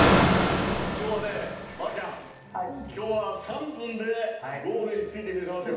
きょうはね、丸ちゃん、きょうは３分でゴールに着いてみせますよ。